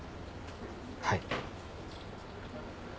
はい。